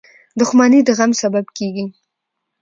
• دښمني د غم سبب کېږي.